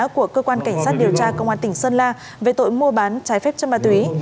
của cơ quan cảnh sát điều tra công an tỉnh sơn la về tội mua bán trái phép chân ma túy